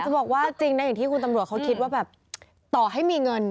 บอกว่าจริงนะอย่างที่คุณตำรวจเขาคิดว่าแบบต่อให้มีเงิน